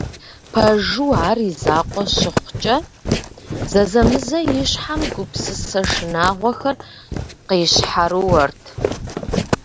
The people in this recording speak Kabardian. Пэжу, ар и закъуэ щыхъукӏэ, зэзэмызэ и щхьэм гупсысэ шынагъуэхэр къищхьэрыуэрт.